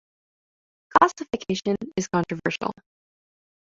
Classification is controversial.